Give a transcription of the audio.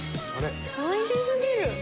おいし過ぎる！